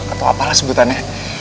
atau apalah sebutannya